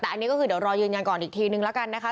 แต่อันนี้ก็คือเดี๋ยวรอยืนยันก่อนอีกทีนึงแล้วกันนะคะ